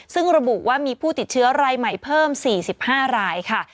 ซึ่งระบุว่ามีผู้ติดเชื้อรายใหม่เพิ่ม๔๕รายค่ะ